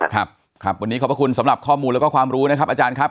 ครับครับวันนี้ขอบพระคุณสำหรับข้อมูลแล้วก็ความรู้นะครับอาจารย์ครับ